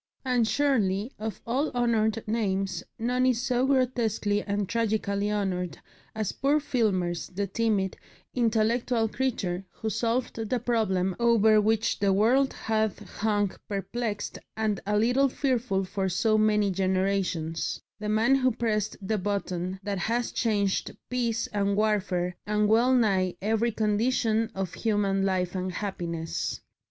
And surely of all honoured names none is so grotesquely and tragically honoured as poor Filmer's, the timid, intellectual creature who solved the problem over which the world had hung perplexed and a little fearful for so many generations, the man who pressed the button that has changed peace and warfare and well nigh every condition of human life and happiness.